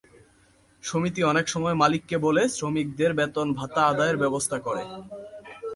সমিতি অনেক সময় মালিককে বলে শ্রমিকদের বেতন ভাতা আদায়ের ব্যবস্থা করে।